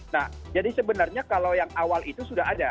nah jadi sebenarnya kalau yang awal itu sudah ada